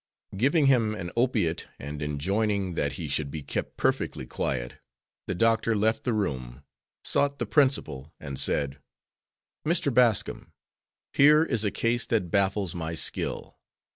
Giving him an opiate and enjoining that he should be kept perfectly quiet, the doctor left the room, sought the principal, and said: "Mr. Bascom, here is a case that baffles my skill.